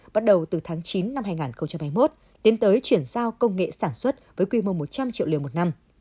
bắt đầu từ tháng chín năm hai nghìn hai mươi một tiến tới chuyển giao công nghệ sản xuất với quy mô một trăm linh triệu liều một năm